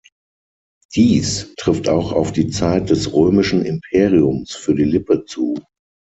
Dies trifft auch auf die Zeit des römischen Imperiums für die Lippe zu.